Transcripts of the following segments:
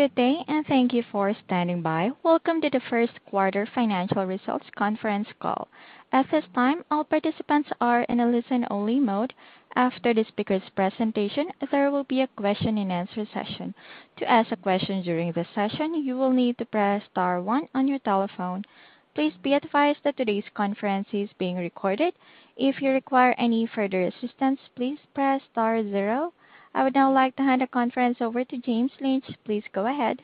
Good day, and thank you for standing by. Welcome to the first quarter financial results conference call. At this time, all participants are in a listen-only mode. After the speaker's presentation, there will be a question-and-answer session. To ask a question during this session, you will need to press star one on your telephone. Please be advised that today's conference is being recorded. If you require any further assistance, please press star zero. I would now like to hand the conference over to James Lynch. Please go ahead.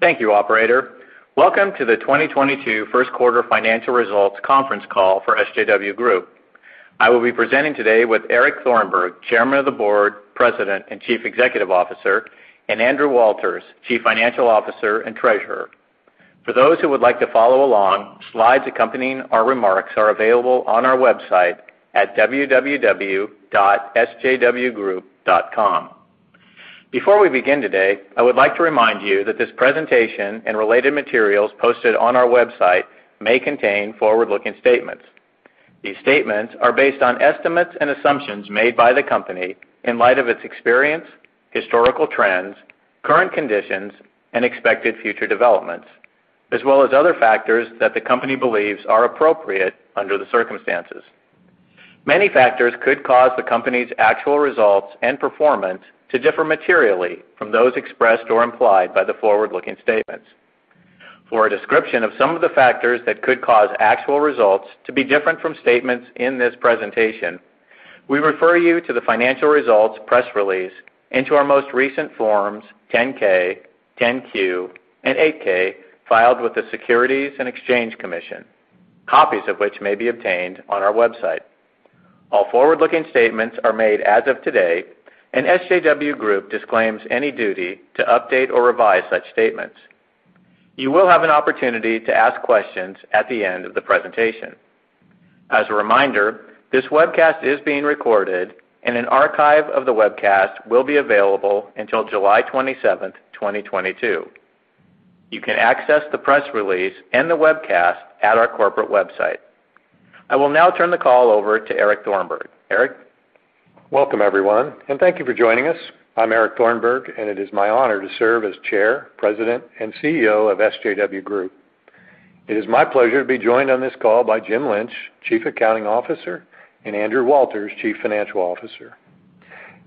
Thank you, operator. Welcome to the 2022 first quarter financial results conference call for SJW Group. I will be presenting today with Eric Thornburg, Chairman of the Board, President, and Chief Executive Officer, and Andrew Walters, Chief Financial Officer, and Treasurer. For those who would like to follow along, slides accompanying our remarks are available on our website at www.sjwgroup.com. Before we begin today, I would like to remind you that this presentation and related materials posted on our website may contain forward-looking statements. These statements are based on estimates and assumptions made by the company in light of its experience, historical trends, current conditions, and expected future developments, as well as other factors that the company believes are appropriate under the circumstances. Many factors could cause the company's actual results and performance to differ materially from those expressed or implied by the forward-looking statements. For a description of some of the factors that could cause actual results to be different from statements in this presentation, we refer you to the financial results press release and to our most recent Forms 10-K, 10-Q, and 8-K filed with the Securities and Exchange Commission, copies of which may be obtained on our website. All forward-looking statements are made as of today, and SJW Group disclaims any duty to update or revise such statements. You will have an opportunity to ask questions at the end of the presentation. As a reminder, this webcast is being recorded and an archive of the webcast will be available until July 27, 2022. You can access the press release and the webcast at our corporate website. I will now turn the call over to Eric Thornburg. Eric. Welcome, everyone, and thank you for joining us. I'm Eric Thornburg, and it is my honor to serve as Chair, President, and CEO of SJW Group. It is my pleasure to be joined on this call by Jim Lynch, Chief Accounting Officer, and Andrew Walters, Chief Financial Officer.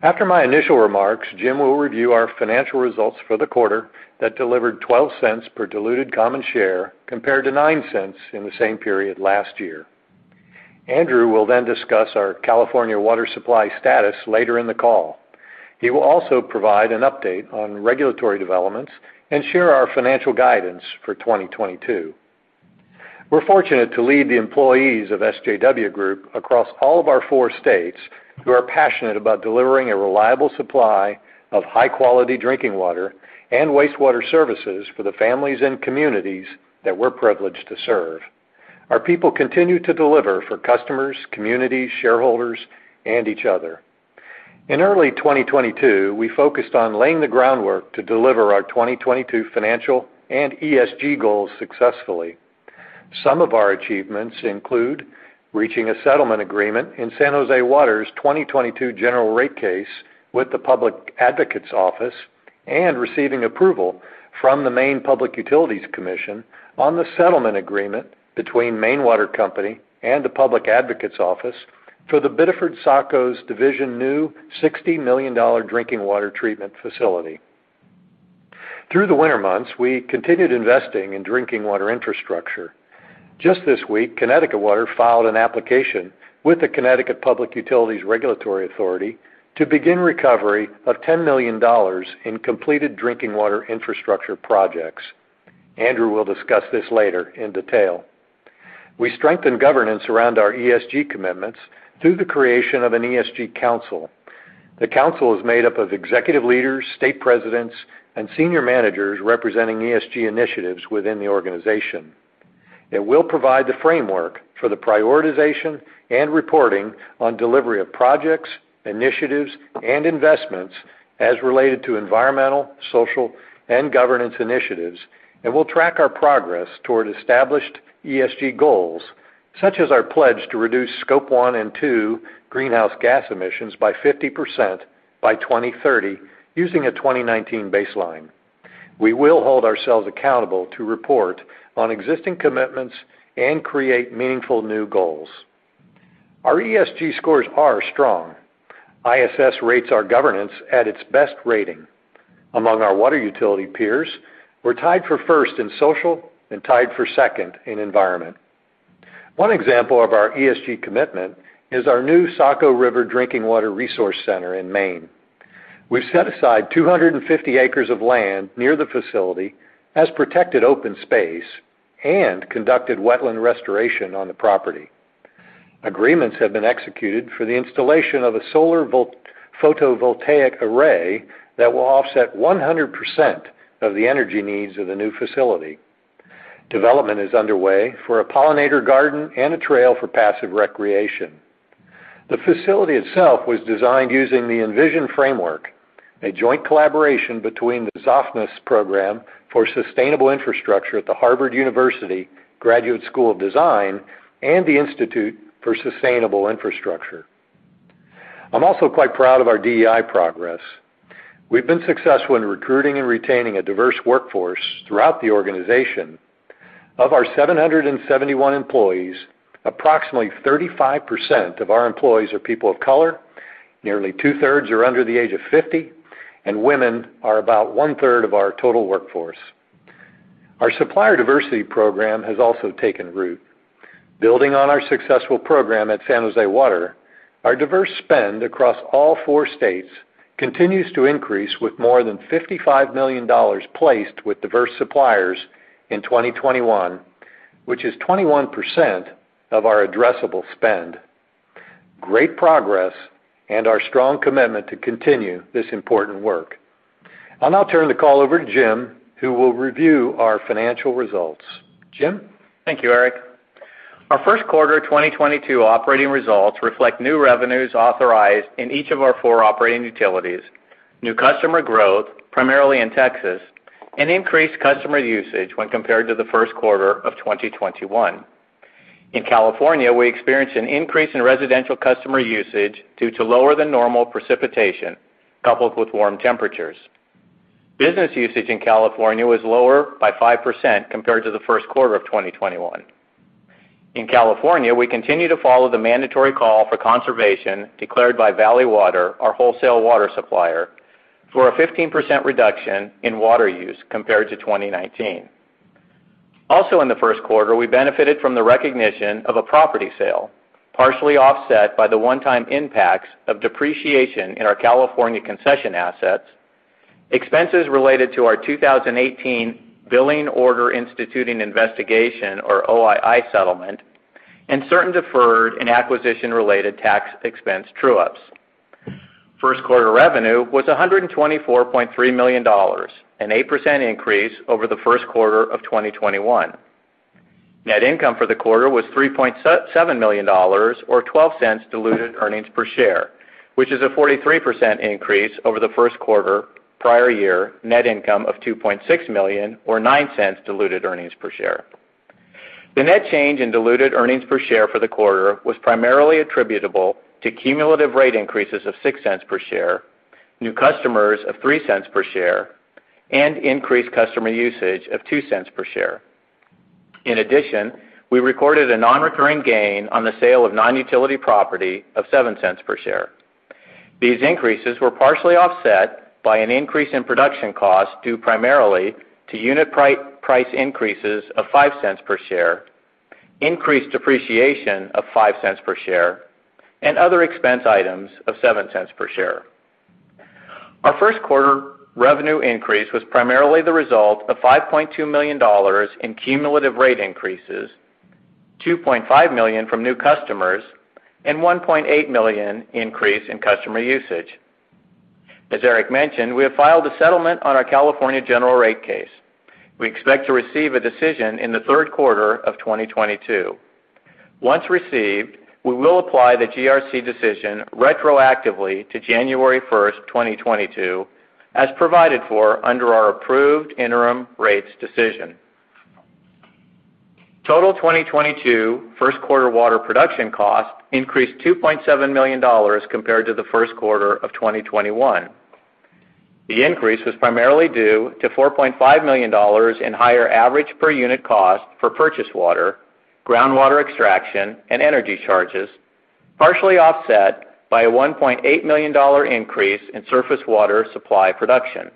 After my initial remarks, Jim will review our financial results for the quarter that delivered $0.12 per diluted common share compared to $0.09 in the same period last year. Andrew will then discuss our California water supply status later in the call. He will also provide an update on regulatory developments and share our financial guidance for 2022. We're fortunate to lead the employees of SJW Group across all of our four states who are passionate about delivering a reliable supply of high-quality drinking water and wastewater services for the families and communities that we're privileged to serve. Our people continue to deliver for customers, communities, shareholders, and each other. In early 2022, we focused on laying the groundwork to deliver our 2022 financial and ESG goals successfully. Some of our achievements include reaching a settlement agreement in San Jose Water's 2022 general rate case with the Public Advocates Office and receiving approval from the Maine Public Utilities Commission on the settlement agreement between Maine Water Company and the Office of the Public Advocate for the Biddeford-Saco Division new $60 million drinking water treatment facility. Through the winter months, we continued investing in drinking water infrastructure. Just this week, Connecticut Water filed an application with the Connecticut Public Utilities Regulatory Authority to begin recovery of $10 million in completed drinking water infrastructure projects. Andrew will discuss this later in detail. We strengthened governance around our ESG commitments through the creation of an ESG council. The council is made up of executive leaders, state presidents, and senior managers representing ESG initiatives within the organization. It will provide the framework for the prioritization and reporting on delivery of projects, initiatives, and investments as related to environmental, social, and governance initiatives. It will track our progress toward established ESG goals, such as our pledge to reduce Scope 1 and 2 greenhouse gas emissions by 50% by 2030 using a 2019 baseline. We will hold ourselves accountable to report on existing commitments and create meaningful new goals. Our ESG scores are strong. ISS rates our governance at its best rating. Among our water utility peers, we're tied for first in social and tied for second in environment. One example of our ESG commitment is our new Saco River Drinking Water Resource Center in Maine. We've set aside 250 acres of land near the facility as protected open space and conducted wetland restoration on the property. Agreements have been executed for the installation of a photovoltaic array that will offset 100% of the energy needs of the new facility. Development is underway for a pollinator garden and a trail for passive recreation. The facility itself was designed using the Envision framework, a joint collaboration between the Zofnass Program for Sustainable Infrastructure at the Harvard University Graduate School of Design and the Institute for Sustainable Infrastructure. I'm also quite proud of our DEI progress. We've been successful in recruiting and retaining a diverse workforce throughout the organization. Of our 771 employees, approximately 35% of our employees are people of color, nearly two-thirds are under the age of 50, and women are about one-third of our total workforce. Our supplier diversity program has also taken root. Building on our successful program at San Jose Water, our diverse spend across all four states continues to increase with more than $55 million placed with diverse suppliers in 2021, which is 21% of our addressable spend. Great progress and our strong commitment to continue this important work. I'll now turn the call over to Jim, who will review our financial results. Jim. Thank you, Eric. Our first quarter of 2022 operating results reflect new revenues authorized in each of our four operating utilities, new customer growth, primarily in Texas, and increased customer usage when compared to the first quarter of 2021. In California, we experienced an increase in residential customer usage due to lower than normal precipitation coupled with warm temperatures. Business usage in California was lower by 5% compared to the first quarter of 2021. In California, we continue to follow the mandatory call for conservation declared by Valley Water, our wholesale water supplier, for a 15% reduction in water use compared to 2019. Also in the first quarter, we benefited from the recognition of a property sale, partially offset by the one-time impacts of depreciation in our California concession assets, expenses related to our 2018 billing Order Instituting Investigation, or OII settlement, and certain deferred and acquisition-related tax expense true-ups. First quarter revenue was $124.3 million, an 8% increase over the first quarter of 2021. Net income for the quarter was $3.7 million or $0.12 diluted earnings per share, which is a 43% increase over the first quarter prior year net income of $2.6 million or $0.09 diluted earnings per share. The net change in diluted earnings per share for the quarter was primarily attributable to cumulative rate increases of $0.06 per share, new customers of $0.03 per share, and increased customer usage of $0.02 per share. In addition, we recorded a non-recurring gain on the sale of non-utility property of $0.07 per share. These increases were partially offset by an increase in production costs due primarily to unit price increases of $0.05 per share, increased depreciation of $0.05 per share, and other expense items of $0.07 per share. Our first quarter revenue increase was primarily the result of $5.2 million in cumulative rate increases, $2.5 million from new customers, and $1.8 million increase in customer usage. As Eric mentioned, we have filed a settlement on our California general rate case. We expect to receive a decision in the third quarter of 2022. Once received, we will apply the GRC decision retroactively to January first, 2022, as provided for under our approved interim rates decision. Total 2022 first quarter water production cost increased $2.7 million compared to the first quarter of 2021. The increase was primarily due to $4.5 million in higher average per unit cost for purchased water, groundwater extraction, and energy charges, partially offset by a $1.8 million increase in surface water supply production.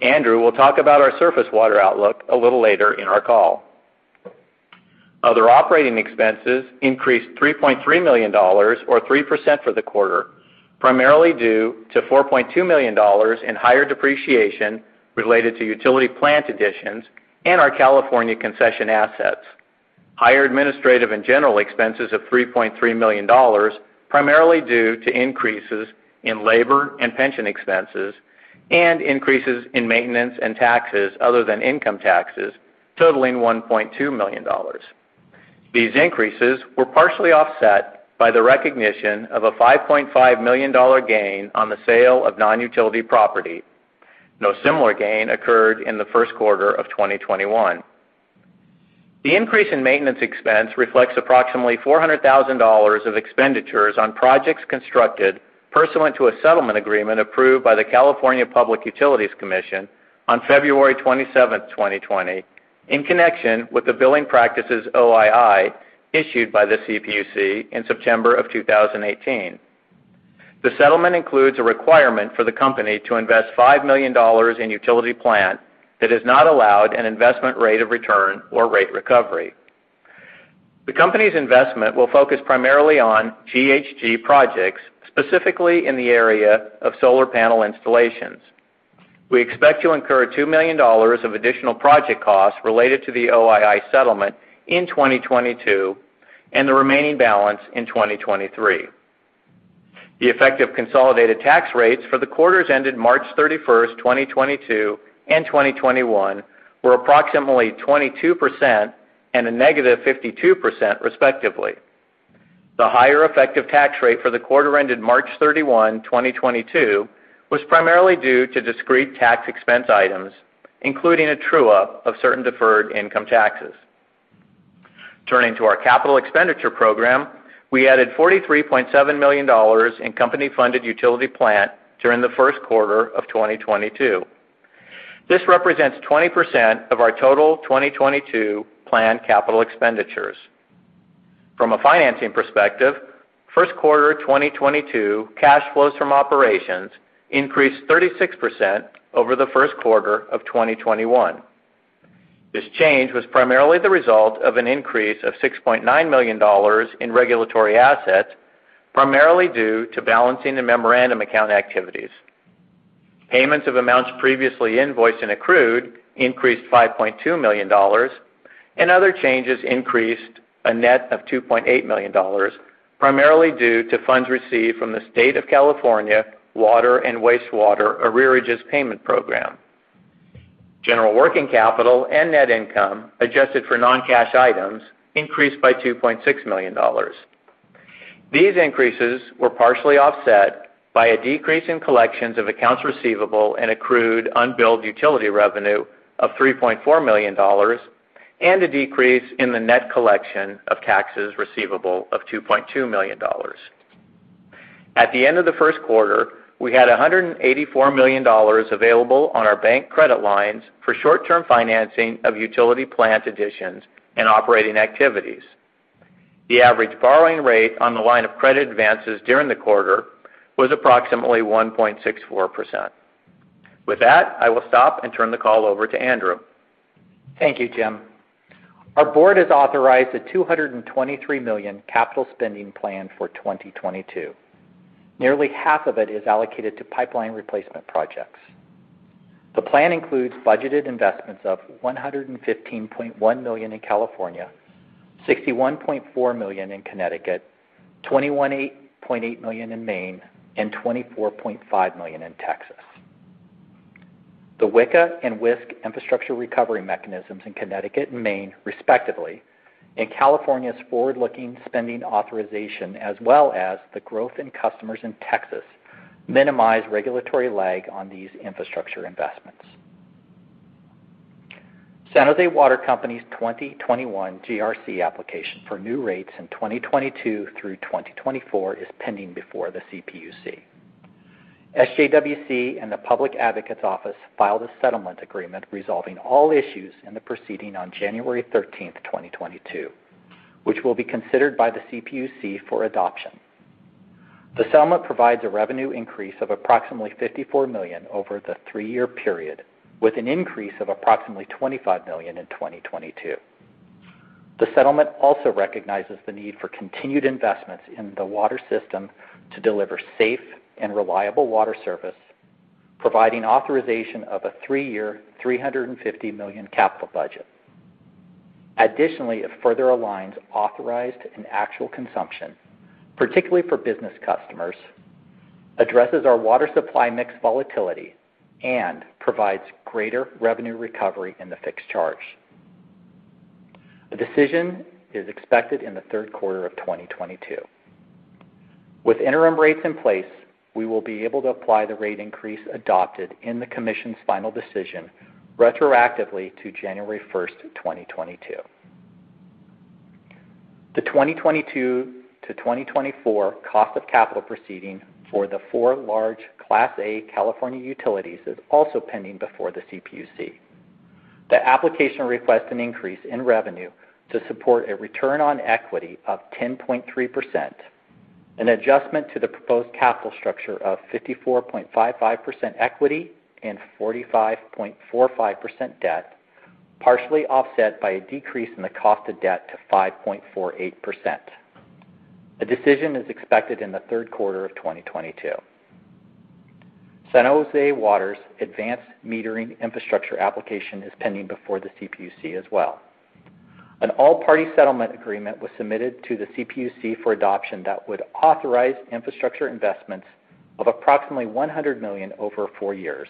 Andrew will talk about our surface water outlook a little later in our call. Other operating expenses increased $3.3 million or 3% for the quarter, primarily due to $4.2 million in higher depreciation related to utility plant additions and our California concession assets. Higher administrative and general expenses of $3.3 million, primarily due to increases in labor and pension expenses and increases in maintenance and taxes other than income taxes totaling $1.2 million. These increases were partially offset by the recognition of a $5.5 million gain on the sale of non-utility property. No similar gain occurred in the first quarter of 2021. The increase in maintenance expense reflects approximately $400,000 of expenditures on projects constructed pursuant to a settlement agreement approved by the California Public Utilities Commission on February 27, 2020, in connection with the billing practices OII issued by the CPUC in September of 2018. The settlement includes a requirement for the company to invest $5 million in utility plant that is not allowed an investment rate of return or rate recovery. The company's investment will focus primarily on GHG projects, specifically in the area of solar panel installations. We expect to incur $2 million of additional project costs related to the OII settlement in 2022 and the remaining balance in 2023. The effective consolidated tax rates for the quarters ended March 31, 2022 and 2021 were approximately 22% and -52%, respectively. The higher effective tax rate for the quarter ended March 31, 2022 was primarily due to discrete tax expense items, including a true-up of certain deferred income taxes. Turning to our capital expenditure program, we added $43.7 million in company funded utility plant during the first quarter of 2022. This represents 20% of our total 2022 planned capital expenditures. From a financing perspective, first quarter 2022 cash flows from operations increased 36% over the first quarter of 2021. This change was primarily the result of an increase of $6.9 million in regulatory assets, primarily due to balancing the memorandum account activities. Payments of amounts previously invoiced and accrued increased $5.2 million, and other changes increased a net of $2.8 million, primarily due to funds received from California's Water and Wastewater Arrearage Payment Program. General working capital and net income, adjusted for non-cash items, increased by $2.6 million. These increases were partially offset by a decrease in collections of accounts receivable and accrued unbilled utility revenue of $3.4 million and a decrease in the net collection of taxes receivable of $2.2 million. At the end of the first quarter, we had $184 million available on our bank credit lines for short-term financing of utility plant additions and operating activities. The average borrowing rate on the line of credit advances during the quarter was approximately 1.64%. With that, I will stop and turn the call over to Andrew. Thank you, Jim. Our board has authorized a $223 million capital spending plan for 2022. Nearly half of it is allocated to pipeline replacement projects. The plan includes budgeted investments of $115.1 million in California, $61.4 million in Connecticut, $28.8 million in Maine, and $24.5 million in Texas. The WICA and WISC infrastructure recovery mechanisms in Connecticut and Maine, respectively, and California's forward-looking spending authorization, as well as the growth in customers in Texas, minimize regulatory lag on these infrastructure investments. San Jose Water Company's 2021 GRC application for new rates in 2022 through 2024 is pending before the CPUC. SJWC and the Public Advocates Office filed a settlement agreement resolving all issues in the proceeding on January 13th, 2022, which will be considered by the CPUC for adoption. The settlement provides a revenue increase of approximately $54 million over the three-year period, with an increase of approximately $25 million in 2022. The settlement also recognizes the need for continued investments in the water system to deliver safe and reliable water service, providing authorization of a three-year, $350 million capital budget. Additionally, it further aligns authorized and actual consumption, particularly for business customers, addresses our water supply mix volatility, and provides greater revenue recovery in the fixed charge. A decision is expected in the third quarter of 2022. With interim rates in place, we will be able to apply the rate increase adopted in the Commission's final decision retroactively to January 1, 2022. The 2022-2024 cost of capital proceeding for the four large Class A California utilities is also pending before the CPUC. The application requests an increase in revenue to support a return on equity of 10.3%, an adjustment to the proposed capital structure of 54.55% equity and 45.45% debt, partially offset by a decrease in the cost of debt to 5.48%. A decision is expected in the third quarter of 2022. San Jose Water's advanced metering infrastructure application is pending before the CPUC as well. An all-party settlement agreement was submitted to the CPUC for adoption that would authorize infrastructure investments of approximately $100 million over four years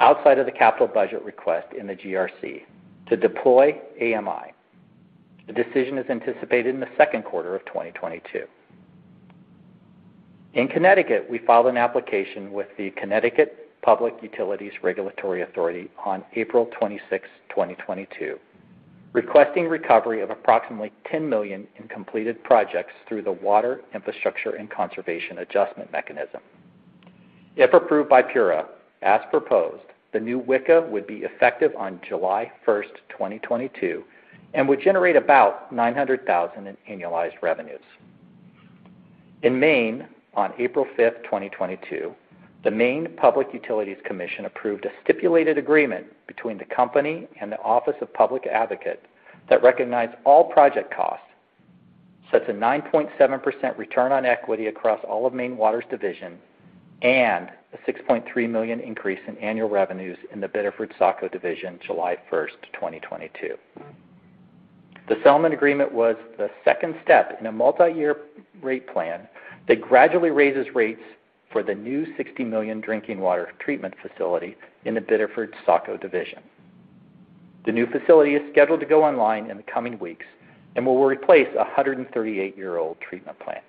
outside of the capital budget request in the GRC to deploy AMI. The decision is anticipated in the second quarter of 2022. In Connecticut, we filed an application with the Connecticut Public Utilities Regulatory Authority on April 26, 2022, requesting recovery of approximately $10 million in completed projects through the Water Infrastructure and Conservation Adjustment mechanism. If approved by PURA, as proposed, the new WICA would be effective on July 1, 2022, and would generate about $900,000 in annualized revenues. In Maine, on April 5, 2022, the Maine Public Utilities Commission approved a stipulated agreement between the company and the Office of Public Advocate that recognized all project costs, sets a 9.7% return on equity across all of Maine Water's divisions, and a $6.3 million increase in annual revenues in the Biddeford Saco Division July 1, 2022. The settlement agreement was the second step in a multi-year rate plan that gradually raises rates for the new $60 million drinking water treatment facility in the Biddeford Saco Division. The new facility is scheduled to go online in the coming weeks and will replace a 138-year-old treatment plant.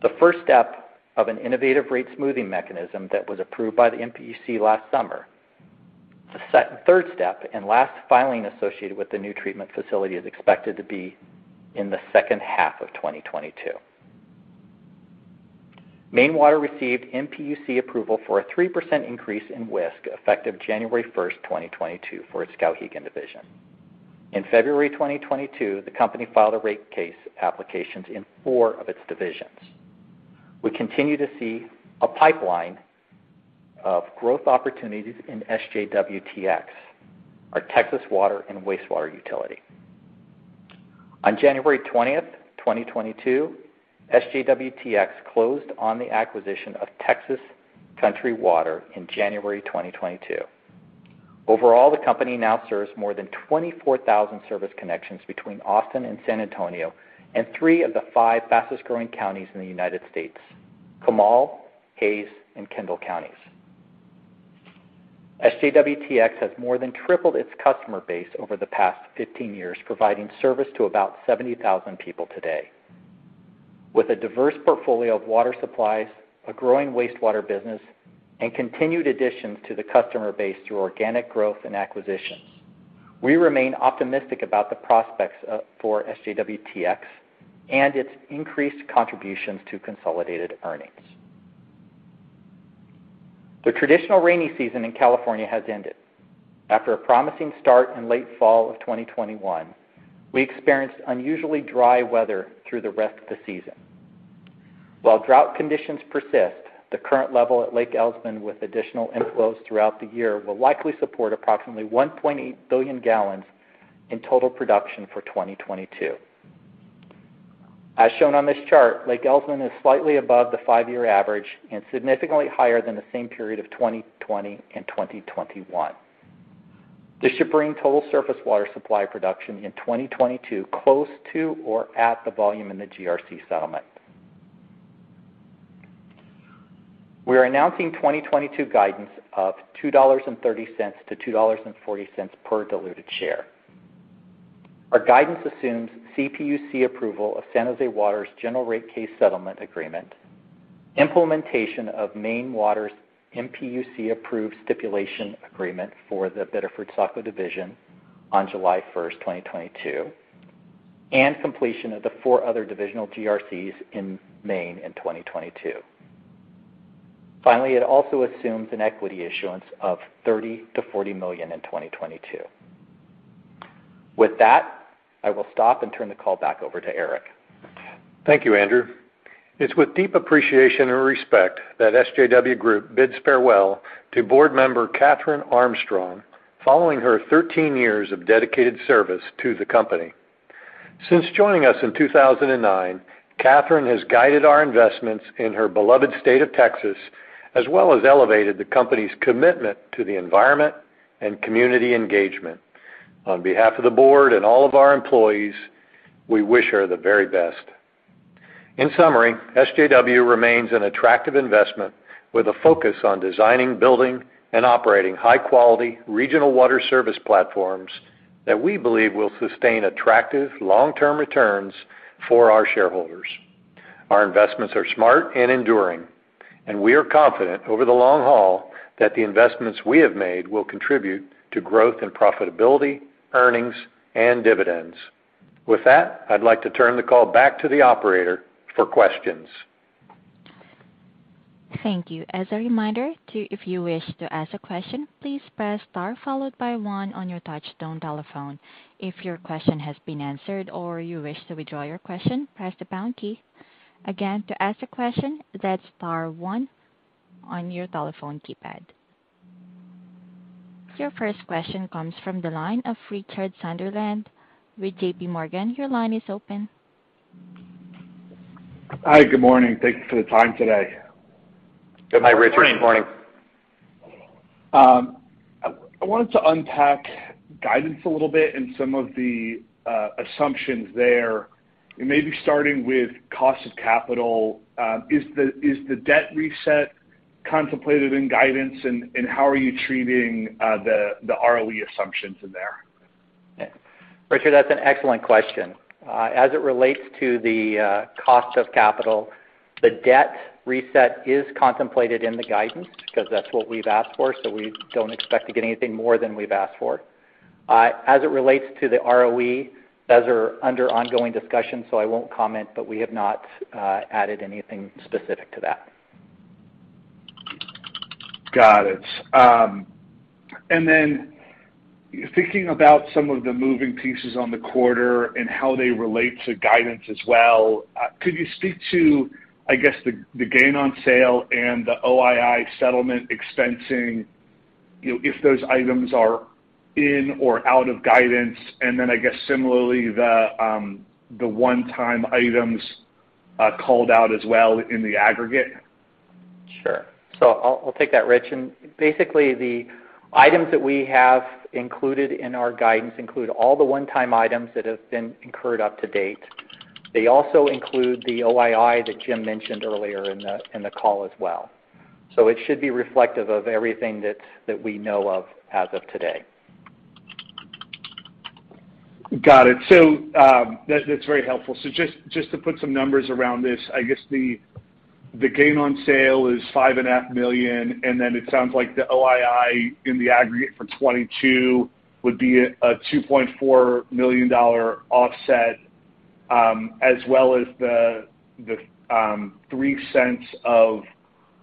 The first step of an innovative rate smoothing mechanism that was approved by the MPUC last summer. The third step and last filing associated with the new treatment facility is expected to be in the second half of 2022. Maine Water received MPUC approval for a 3% increase in WISC, effective January 1, 2022 for its Skowhegan Division. In February 2022, the company filed a rate case applications in four of its divisions. We continue to see a pipeline of growth opportunities in SJWTX, our Texas water and wastewater utility. On January 20, 2022, SJWTX closed on the acquisition of Texas Country Water in January 2022. Overall, the company now serves more than 24,000 service connections between Austin and San Antonio, and three of the five fastest-growing counties in the United States, Comal, Hays, and Kendall Counties. SJWTX has more than tripled its customer base over the past 15 years, providing service to about 70,000 people today. With a diverse portfolio of water supplies, a growing wastewater business, and continued additions to the customer base through organic growth and acquisitions, we remain optimistic about the prospects for SJWTX and its increased contributions to consolidated earnings. The traditional rainy season in California has ended. After a promising start in late fall of 2021, we experienced unusually dry weather through the rest of the season. While drought conditions persist, the current level at Lake Elsman with additional inflows throughout the year will likely support approximately 1.8 billion gallons in total production for 2022. As shown on this chart, Lake Elsman is slightly above the five-year average and significantly higher than the same period of 2020 and 2021. This should bring total surface water supply production in 2022 close to or at the volume in the GRC settlement. We are announcing 2022 guidance of $2.30-$2.40 per diluted share. Our guidance assumes CPUC approval of San Jose Water's general rate case settlement agreement, implementation of Maine Water's MPUC approved stipulation agreement for the Biddeford Saco Division on July 1, 2022, and completion of the four other divisional GRCs in Maine in 2022. Finally, it also assumes an equity issuance of $30-$40 million in 2022. With that, I will stop and turn the call back over to Eric. Thank you, Andrew. It's with deep appreciation and respect that SJW Group bids farewell to board member Katharine Armstrong following her 13 years of dedicated service to the company. Since joining us in 2009, Katharine has guided our investments in her beloved state of Texas, as well as elevated the company's commitment to the environment and community engagement. On behalf of the board and all of our employees, we wish her the very best. In summary, SJW remains an attractive investment with a focus on designing, building and operating high quality regional water service platforms that we believe will sustain attractive long-term returns for our shareholders. Our investments are smart and enduring, and we are confident over the long haul that the investments we have made will contribute to growth and profitability, earnings, and dividends. With that, I'd like to turn the call back to the operator for questions. Thank you. As a reminder, if you wish to ask a question, please press star followed by one on your touchtone telephone. If your question has been answered or you wish to withdraw your question, press the pound key. Again, to ask a question, that's star one on your telephone keypad. Your first question comes from the line of Richard Sunderland with JPMorgan. Your line is open. Hi. Good morning. Thanks for the time today. Good morning. Hi, Richard. Good morning. I wanted to unpack guidance a little bit and some of the assumptions there. Maybe starting with cost of capital, is the debt reset contemplated in guidance? How are you treating the ROE assumptions in there? Richard, that's an excellent question. As it relates to the cost of capital, the debt reset is contemplated in the guidance because that's what we've asked for, so we don't expect to get anything more than we've asked for. As it relates to the ROE, those are under ongoing discussions, so I won't comment, but we have not added anything specific to that. Got it. Thinking about some of the moving pieces on the quarter and how they relate to guidance as well, could you speak to, I guess, the gain on sale and the OII settlement expensing, you know, if those items are in or out of guidance, and then I guess similarly, the one-time items, called out as well in the aggregate? Sure. I'll take that, Rich. Basically, the items that we have included in our guidance include all the one-time items that have been incurred up to date. They also include the OII that Jim mentioned earlier in the call as well. It should be reflective of everything that we know of as of today. Got it. That's very helpful. Just to put some numbers around this, I guess the gain on sale is $5.5 million, and then it sounds like the OII in the aggregate for 2022 would be a $2.4 million offset, as well as the $0.03 of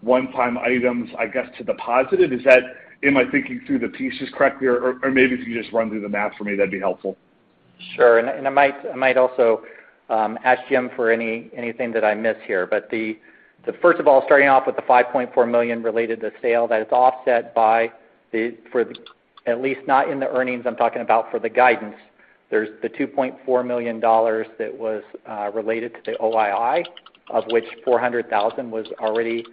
one-time items, I guess, to the positive. Is that? Am I thinking through the pieces correctly or maybe if you just run through the math for me, that'd be helpful. Sure. I might also ask Jim for anything that I miss here. First of all, starting off with the $5.4 million related to sale, that is offset, at least not in the earnings I'm talking about for the guidance. There's the $2.4 million that was related to the OII, of which $400,000 was already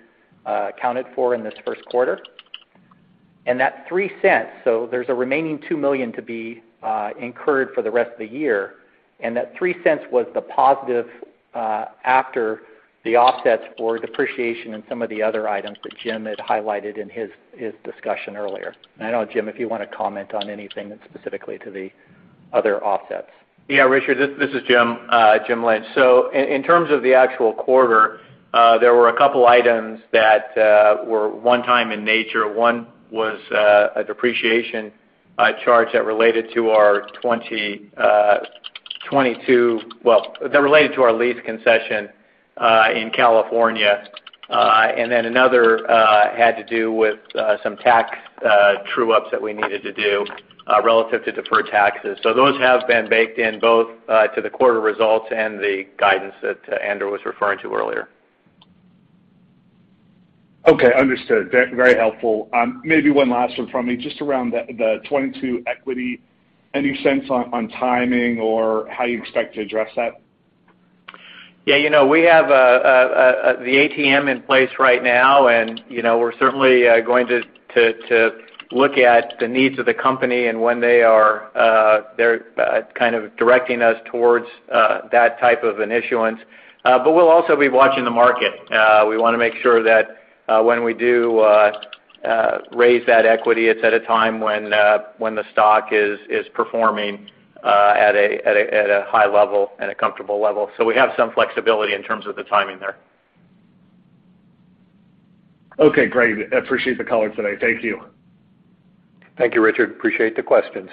accounted for in this first quarter. That $0.03, there's a remaining $2 million to be incurred for the rest of the year. That $0.03 was the positive after the offsets for depreciation and some of the other items that Jim had highlighted in his discussion earlier. I know, Jim, if you want to comment on anything specifically to the other offsets. Yeah. Richard, this is Jim Lynch. In terms of the actual quarter, there were a couple items that were one-time in nature. One was a depreciation charge that related to our 2022 lease concession in California. And then another had to do with some tax true-ups that we needed to do relative to deferred taxes. Those have been baked into both the quarter results and the guidance that Andrew was referring to earlier. Okay, understood. Very helpful. Maybe one last one from me, just around the 22 equity. Any sense on timing or how you expect to address that? Yeah, you know, we have the ATM in place right now, and you know, we're certainly going to look at the needs of the company and when they're kind of directing us towards that type of an issuance. We'll also be watching the market. We wanna make sure that when we do raise that equity, it's at a time when the stock is performing at a high level and a comfortable level. We have some flexibility in terms of the timing there. Okay, great. I appreciate the call today. Thank you. Thank you, Richard. Appreciate the questions.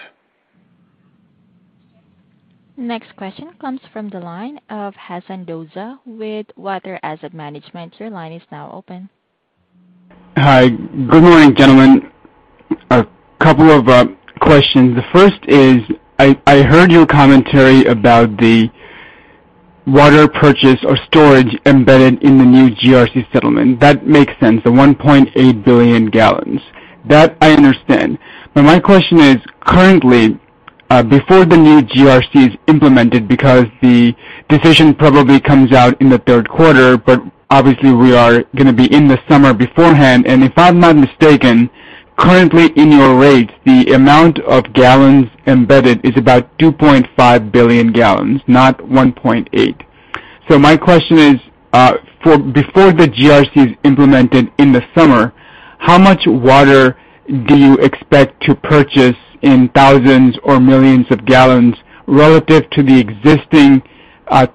Next question comes from the line of Hasan Doza with Water Asset Management. Your line is now open. Hi. Good morning, gentlemen. A couple of questions. The first is, I heard your commentary about the water purchase or storage embedded in the new GRC settlement. That makes sense, the 1.8 billion gallons. That I understand. But my question is, currently, before the new GRC is implemented, because the decision probably comes out in the third quarter, but obviously we are gonna be in the summer beforehand. If I'm not mistaken, currently in your rates, the amount of gallons embedded is about 2.5 billion gallons, not 1.8. So my question is, for before the GRC is implemented in the summer, how much water do you expect to purchase in thousands or millions of gallons relative to the existing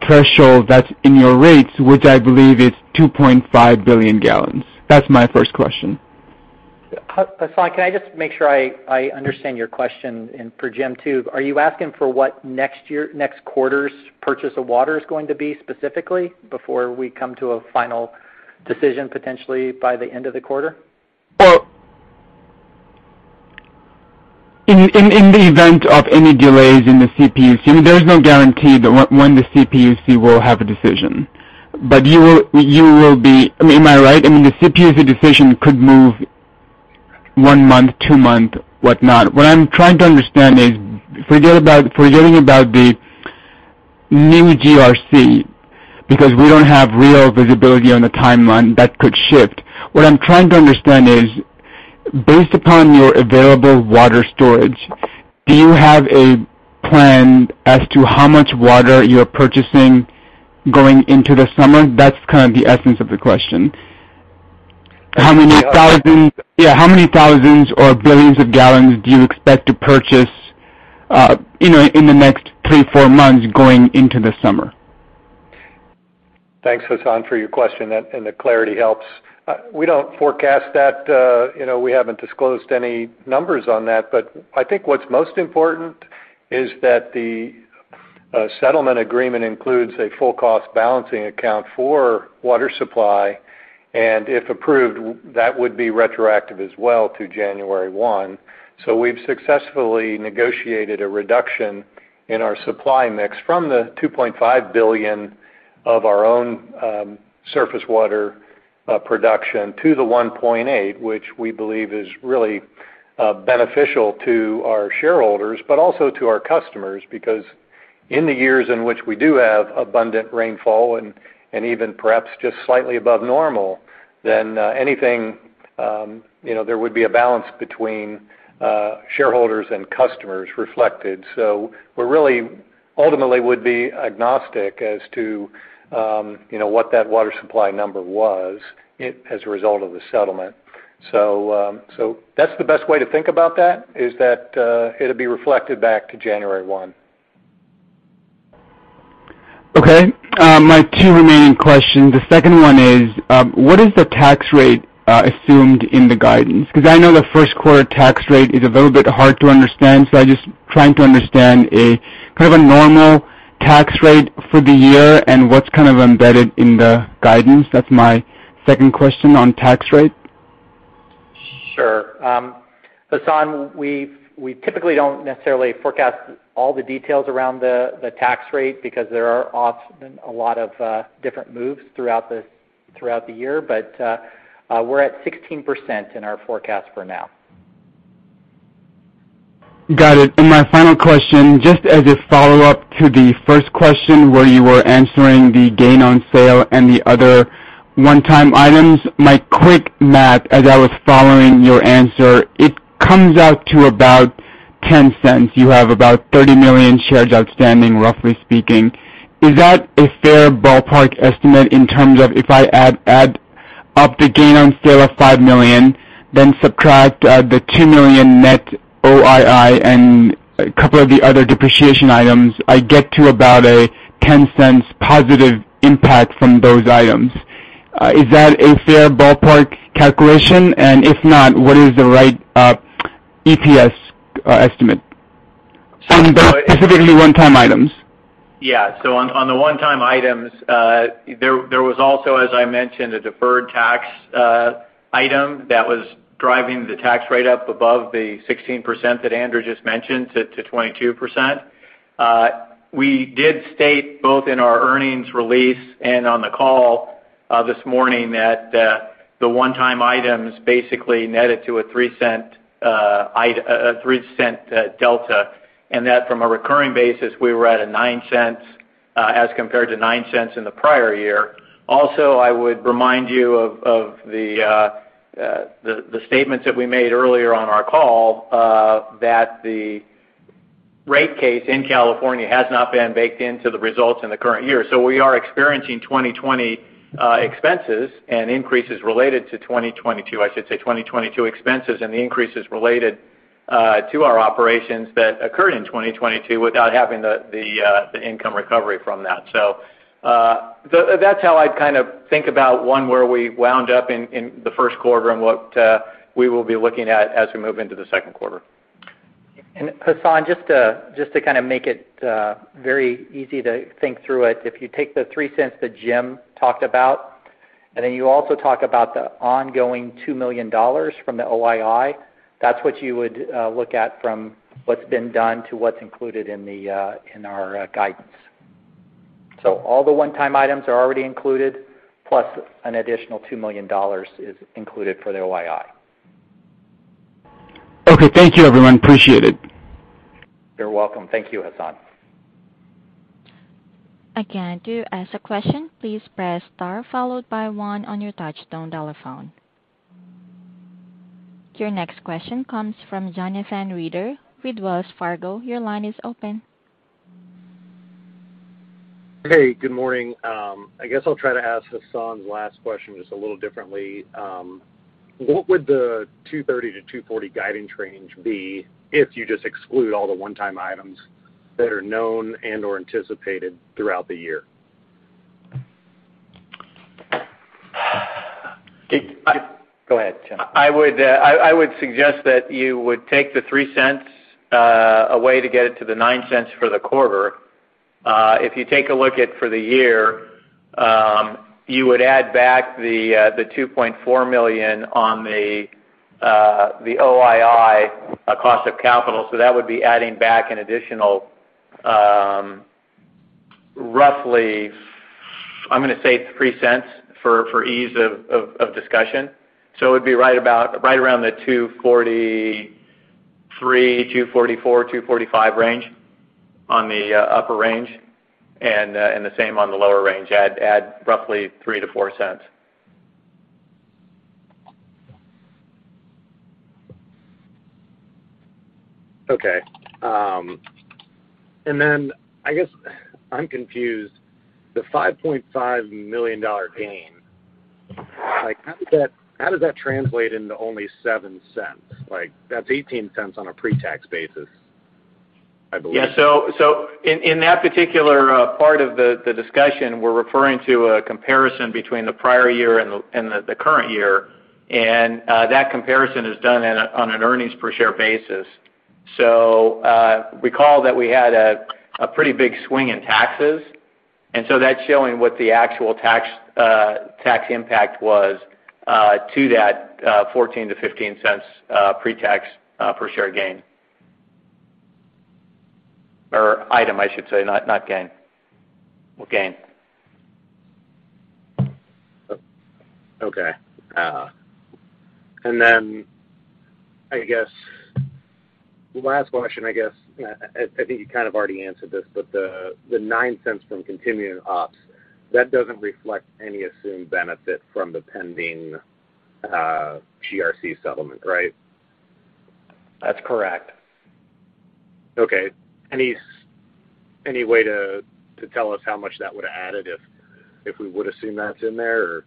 threshold that's in your rates, which I believe is 2.5 billion gallons? That's my first question. Hasan, can I just make sure I understand your question, and for Jim, too? Are you asking for what next quarter's purchase of water is going to be specifically before we come to a final decision, potentially by the end of the quarter? In the event of any delays in the CPUC, there is no guarantee when the CPUC will have a decision, but you will be. Am I right? I mean, the CPUC decision could move 1 month, 2 months, whatnot. What I'm trying to understand is forgetting about the new GRC, because we don't have real visibility on the timeline that could shift. What I'm trying to understand is, based upon your available water storage, do you have a plan as to how much water you're purchasing going into the summer? That's kind of the essence of the question. How many thousands- Yeah. Yeah, how many thousands or billions of gallons do you expect to purchase, you know, in the next three, four months going into the summer? Thanks, Hasan, for your question, and the clarity helps. We don't forecast that. You know, we haven't disclosed any numbers on that, but I think what's most important is that the settlement agreement includes a full cost balancing account for water supply, and if approved, that would be retroactive as well to January 1. We've successfully negotiated a reduction in our supply mix from the 2.5 billion of our own surface water production to the 1.8, which we believe is really beneficial to our shareholders, but also to our customers. Because in the years in which we do have abundant rainfall and even perhaps just slightly above normal, then anything, you know, there would be a balance between shareholders and customers reflected. Ultimately would be agnostic as to, you know, what that water supply number was as a result of the settlement. That's the best way to think about that, is that it'll be reflected back to January 1. Okay. My two remaining questions. The second one is, what is the tax rate assumed in the guidance? Because I know the first quarter tax rate is a little bit hard to understand, so I'm just trying to understand a kind of a normal tax rate for the year and what's kind of embedded in the guidance. That's my second question on tax rate. Sure. Hasan, we typically don't necessarily forecast all the details around the tax rate because there are often a lot of different moves throughout the year. We're at 16% in our forecast for now. Got it. My final question, just as a follow-up to the first question where you were answering the gain on sale and the other one-time items, my quick math as I was following your answer, it comes out to about $0.10. You have about 30 million shares outstanding, roughly speaking. Is that a fair ballpark estimate in terms of if I add up the gain on sale of $5 million, then subtract the $2 million net OII and a couple of the other depreciation items, I get to about a $0.10 positive impact from those items. Is that a fair ballpark calculation? If not, what is the right EPS estimate from those specifically one-time items. On the one-time items, there was also, as I mentioned, a deferred tax item that was driving the tax rate up above the 16% that Andrew just mentioned to 22%. We did state both in our earnings release and on the call this morning that the one-time items basically netted to a $0.03 delta, and that from a recurring basis, we were at a $0.09 as compared to $0.09 in the prior year. Also, I would remind you of the statements that we made earlier on our call that the rate case in California has not been baked into the results in the current year. We are experiencing 2020 expenses and increases related to 2022, I should say, 2022 expenses and the increases related to our operations that occurred in 2022 without having the income recovery from that. That's how I'd kind of think about one where we wound up in the first quarter and what we will be looking at as we move into the second quarter. Hasan, just to kind of make it very easy to think through it, if you take the $0.03 that Jim talked about, and then you also talk about the ongoing $2 million from the OII, that's what you would look at from what's been done to what's included in our guidance. All the one-time items are already included, plus an additional $2 million is included for the OII. Okay. Thank you, everyone. Appreciate it. You're welcome. Thank you, Hasan. Again, to ask a question, please press Star followed by one on your touch tone telephone. Your next question comes from Jonathan Reeder with Wells Fargo. Your line is open. Hey, good morning. I guess I'll try to ask Hasan's last question just a little differently. What would the 230-240 guidance range be if you just exclude all the one-time items that are known and/or anticipated throughout the year? Did- I- Go ahead, Tim. I would suggest that you would take the $0.03 away to get it to the $0.09 for the quarter. If you take a look at for the year, you would add back the $2.4 million on the OII cost of capital, so that would be adding back an additional roughly, I'm gonna say it's $0.03 for ease of discussion. It'd be right about, right around the $2.43-$2.45 range on the upper range, and the same on the lower range. Add roughly $0.03-$0.04. Okay. I guess I'm confused. The $5.5 million gain, like how did that translate into only $0.07? Like that's $0.18 on a pre-tax basis, I believe. In that particular part of the discussion, we're referring to a comparison between the prior year and the current year. That comparison is done on an earnings per share basis. Recall that we had a pretty big swing in taxes, and so that's showing what the actual tax impact was to that $0.14-$0.15 pre-tax per share gain. Or item, I should say, not gain. Well, gain. Okay. I guess last question, I guess. I think you kind of already answered this, but the $0.09 from continuing ops, that doesn't reflect any assumed benefit from the pending GRC settlement, right? That's correct. Okay. Any way to tell us how much that would've added if we would assume that's in there or?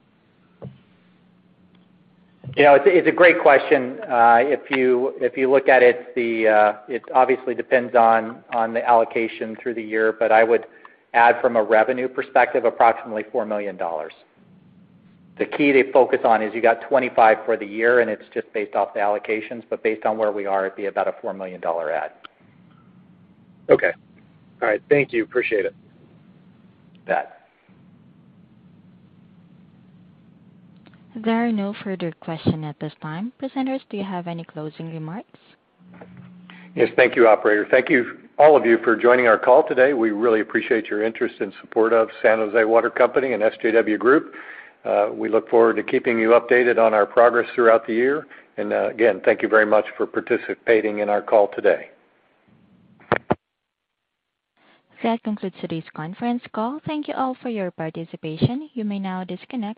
You know, it's a great question. If you look at it obviously depends on the allocation through the year, but I would add from a revenue perspective, approximately $4 million. The key to focus on is you got 25 for the year, and it's just based off the allocations, but based on where we are, it'd be about a $4 million add. Okay. All right. Thank you. Appreciate it. You bet. There are no further questions at this time. Presenters, do you have any closing remarks? Yes, thank you, operator. Thank you all of you for joining our call today. We really appreciate your interest and support of San Jose Water Company and SJW Group. We look forward to keeping you updated on our progress throughout the year. Again, thank you very much for participating in our call today. That concludes today's conference call. Thank you all for your participation. You may now disconnect.